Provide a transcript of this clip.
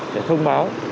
để thông báo